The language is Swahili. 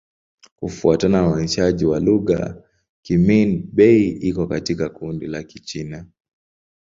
Kufuatana na uainishaji wa lugha, Kimin-Bei iko katika kundi la Kichina.